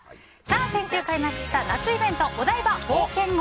先週開幕した夏イベントお台場冒険王